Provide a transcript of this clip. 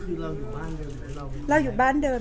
แต่ว่าสามีด้วยคือเราอยู่บ้านเดิมแต่ว่าสามีด้วยคือเราอยู่บ้านเดิม